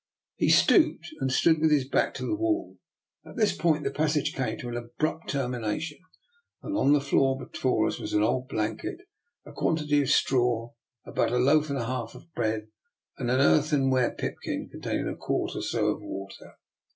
He stopped, and stood with his back to the wall. At this point the passage came to an abrupt termination, and on the floor be fore us was an old blanket, a quantity of straw, about a loaf and a half of bread, and an earth enware pipkin containing a quart or so of water.